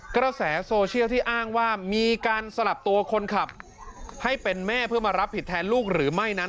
กระแสโซเชียลที่อ้างว่ามีการสลับตัวคนขับให้เป็นแม่เพื่อมารับผิดแทนลูกหรือไม่นั้น